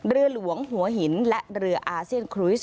เรือหลวงหัวหินและเรืออาเซียนครุยส